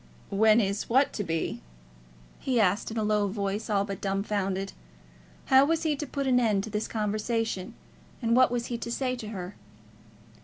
"When is what to be?" he asked, in a low voice, all but dumb founded. How was he to put an end to this conversation, and what was he to say to her?